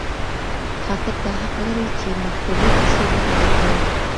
خاطب دا حق لري، چي مخطوبې ته څو واره وګوري